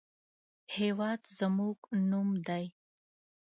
هېواد زموږ نوم دی